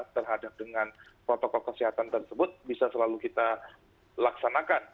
terhadap dengan protokol kesehatan tersebut bisa selalu kita laksanakan